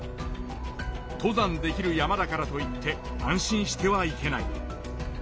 登山できる山だからといって安心してはいけない。